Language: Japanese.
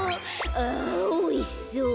「あおいしそう。